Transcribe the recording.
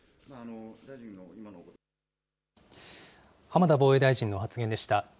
浜田防衛大臣の発言でした。